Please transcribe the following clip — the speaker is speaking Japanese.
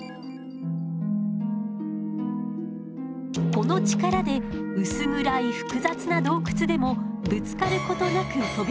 この力で薄暗い複雑な洞窟でもぶつかることなく飛び回れるのよ。